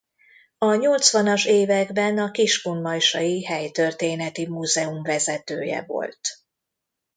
A nyolcvanas években a kiskunmajsai helytörténeti múzeum vezetője volt.